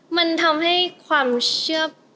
มันทำให้ความเชื่อ